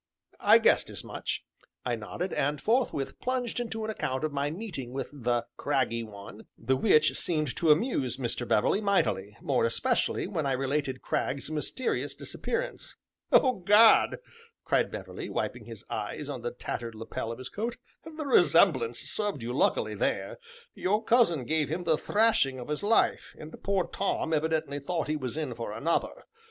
"I guessed as much," I nodded, and forthwith plunged into an account of my meeting with the "craggy one," the which seemed to amuse Mr. Beverley mightily, more especially when I related Cragg's mysterious disappearance. "Oh, gad!" cried Beverley, wiping his eyes on the tattered lapel of his coat, "the resemblance served you luckily there; your cousin gave him the thrashing of his life, and poor Tom evidently thought he was in for another.